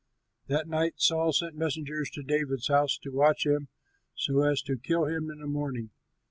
That night Saul sent messengers to David's house to watch him, so as to kill him in the morning.